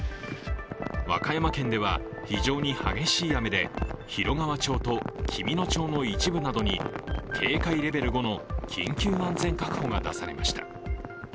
和歌山県では、非常に激しい雨で広川町と紀美野町の一部などに警戒レベル５の緊急安全確保が出されました。